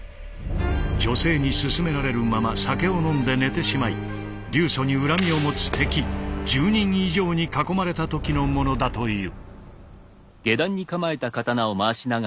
女性に勧められるまま酒を飲んで寝てしまい流祖に恨みを持つ敵１０人以上に囲まれた時のものだという。